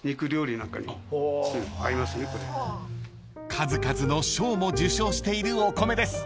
［数々の賞も受賞しているお米です］